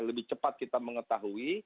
lebih cepat kita mengetahui